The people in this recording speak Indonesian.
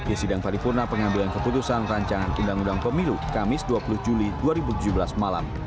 di sidang paripurna pengambilan keputusan rancangan undang undang pemilu kamis dua puluh juli dua ribu tujuh belas malam